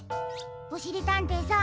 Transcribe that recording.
おしりたんていさん